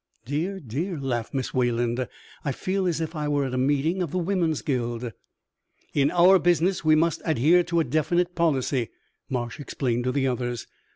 "Dear! dear!" laughed Miss Wayland. "I feel as if I were at a meeting of the Woman's Guild." "In our business we must adhere to a definite policy," Marsh explained to the others.